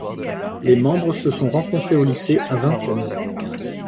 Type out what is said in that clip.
Les membres se sont rencontrés au lycée, à Vincennes.